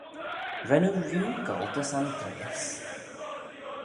Ren oo rieau goll dys Andreays?